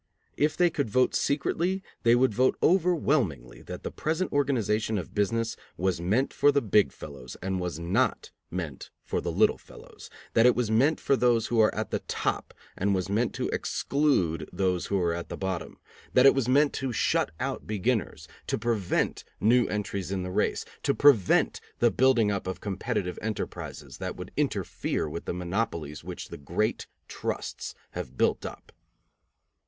If they could vote secretly they would vote overwhelmingly that the present organization of business was meant for the big fellows and was not meant for the little fellows; that it was meant for those who are at the top and was meant to exclude those who are at the bottom; that it was meant to shut out beginners, to prevent new entries in the race, to prevent the building up of competitive enterprises that would interfere with the monopolies which the great trusts have built up.